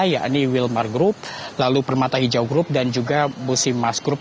yakni wilmar group lalu permata hijau group dan juga musim mas group